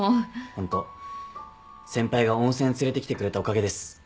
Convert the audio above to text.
ホント先輩が温泉連れてきてくれたおかげです。